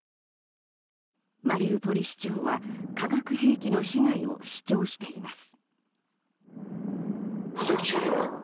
マリウポリ市長は化学兵器の被害を主張しています。